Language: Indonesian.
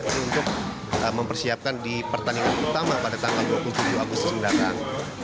untuk mempersiapkan di pertandingan utama pada tanggal dua puluh tujuh agustus mendatang